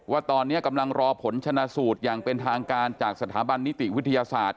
ว่าตอนนี้กำลังรอผลชนะสูตรอย่างเป็นทางการจากสถาบันนิติวิทยาศาสตร์